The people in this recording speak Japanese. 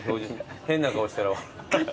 変な顔したら。